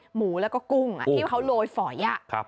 หมูแล้วก็กุ้งที่เขาโรยฝอย